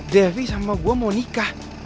devi sama gue mau nikah